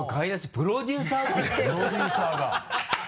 プロデューサーが。